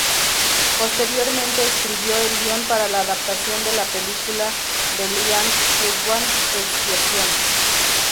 Posteriormente escribió el guion para la adaptación de la película de Ian McEwan "Expiación".